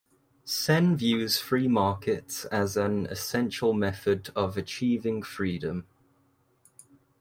Sen views free markets as an essential method of achieving freedom.